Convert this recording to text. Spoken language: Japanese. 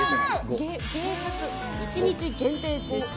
１日限定１０食。